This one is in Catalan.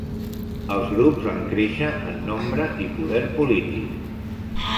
Els grups van créixer en nombre i poder polític.